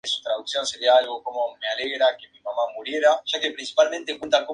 El ruso es un idioma eslavo, de la familia indoeuropea.